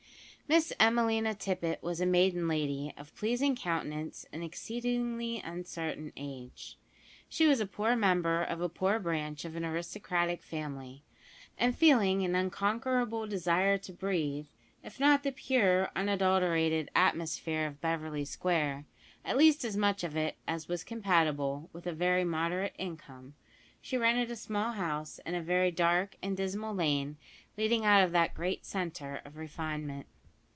Miss Emelina Tippet was a maiden lady of pleasing countenance and exceedingly uncertain age. She was a poor member of a poor branch of an aristocratic family, and feeling an unconquerable desire to breathe, if not the pure unadulterated atmosphere of Beverly Square, at least as much of it as was compatible with a very moderate income, she rented a small house in a very dark and dismal lane leading out of that great centre of refinement.